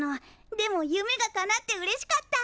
でも夢がかなってうれしかった！